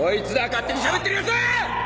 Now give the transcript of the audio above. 勝手にしゃべってるやつは！